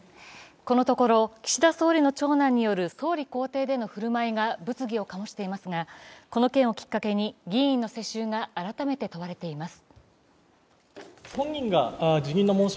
このところ岸田総理の長男による総理公邸での振る舞いが物議を醸していますが、この件をきっかけに議員の世襲が改めて問われています。